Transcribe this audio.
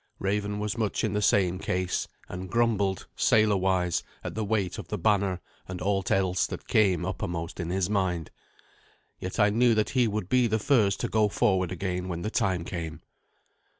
Raven was much in the same case, and grumbled, sailor wise, at the weight of the banner and aught else that came uppermost in his mind. Yet I knew that he would be the first to go forward again when the time came.